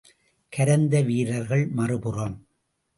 கரந்தை வீரர்கள் மறுபுறம்.